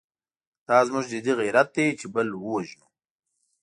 دا زموږ جدي غیرت دی چې بل ووژنو.